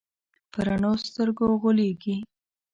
په رڼو سترګو غولېږي.